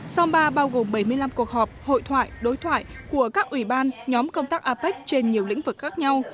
som ba bao gồm bảy mươi năm cuộc họp hội thoại đối thoại của các ủy ban nhóm công tác apec trên nhiều lĩnh vực khác nhau